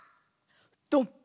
ドン！